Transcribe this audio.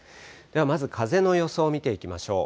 まず、風の予想を見ていきましょう。